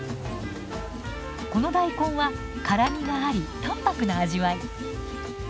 この大根は辛みがあり淡白な味わい。